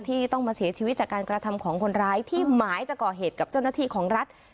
ที่ต้องมาเสียชีวิตจากการกระทำของคนร้ายที่หมายจะก่อเหตุกับเจ้าหน้าที่ของรัฐ